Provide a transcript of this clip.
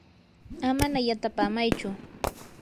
amana yatapamaychu.